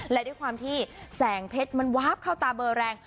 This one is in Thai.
และด้วยความที่แสงเพชรมันวาบเข้าตาเบอร์แรง